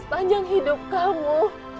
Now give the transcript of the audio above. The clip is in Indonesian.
sepanjang hidup kamu